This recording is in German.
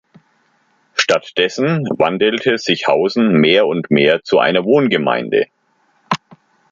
Stattdessen wandelte sich Hausen mehr und mehr zu einer Wohngemeinde.